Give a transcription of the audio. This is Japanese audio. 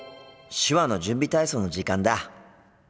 手話の準備体操の時間だ！